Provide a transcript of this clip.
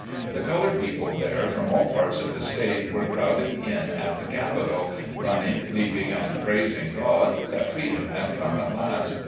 The colored people from all parts of the state were crowding in at the capital, running, leaping, and praising God that freedom had come at last.